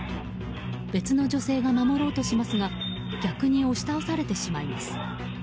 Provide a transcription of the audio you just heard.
別の女性が守ろうとしますが逆に押し倒されてしまいます。